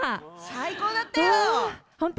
最高だったよ！